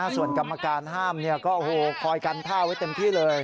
ส่วนกรรมการห้ามก็คอยกันท่าไว้เต็มที่เลย